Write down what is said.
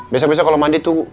besok besok kalo mandi tuh